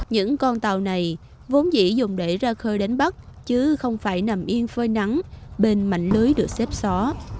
những con tàu này vốn dĩ dùng để ra khơi đến bắc chứ không phải nằm yên phơi nắng bên mảnh lưới được xếp xó